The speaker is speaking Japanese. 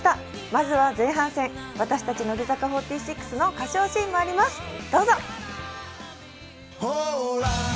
まずは前半戦、私たち乃木坂４６の歌唱シーンもあります、どうぞ！